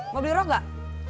mau beli roh gak